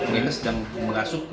meres dan merasuk ke